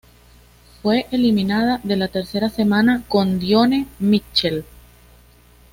Fue eliminada en la tercera semana con Dionne Mitchell.